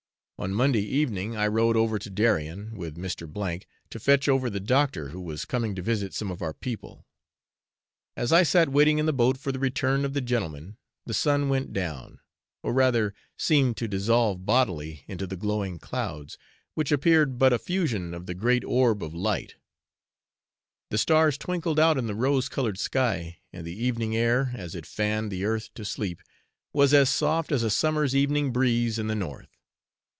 On Monday evening I rowed over to Darien with Mr. to fetch over the doctor, who was coming to visit some of our people. As I sat waiting in the boat for the return of the gentlemen, the sun went down, or rather seemed to dissolve bodily into the glowing clouds, which appeared but a fusion of the great orb of light; the stars twinkled out in the rose coloured sky, and the evening air, as it fanned the earth to sleep, was as soft as a summer's evening breeze in the north.